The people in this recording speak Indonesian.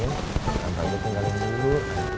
ini kang bagja tinggalin dulu